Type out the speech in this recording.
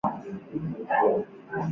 山西乡试第十五名。